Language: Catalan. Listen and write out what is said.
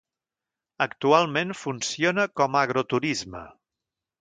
Actualment funciona com agroturisme.